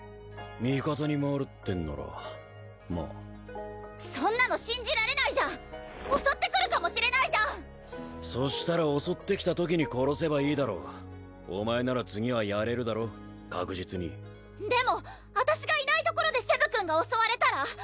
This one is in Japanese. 味方に回るってんならまあそんなの信じられないじゃん襲ってくるかもしれないじゃんそしたら襲ってきたときに殺せばいいだろお前なら次はやれるだろ確実にでも私がいないところでセブ君が襲われたら？